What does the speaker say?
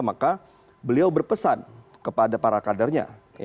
maka beliau berpesan kepada para kadernya